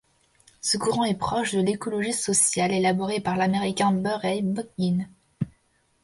Ce courant est proche de l'écologie sociale élaborée par l'américain Murray Bookchin.